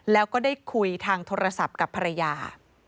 แล้วก็ได้คุยทางโทรศัพท์กับภรรยา